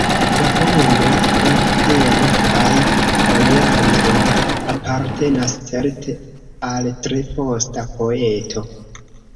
La poemo pri Hero kaj Leandro apartenas certe al tre posta poeto.